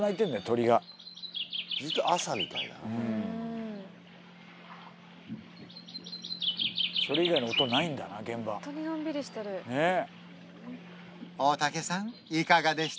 鳥がずっと朝みたいなそれ以外の音ないんだな現場ホントにのんびりしてる大竹さんいい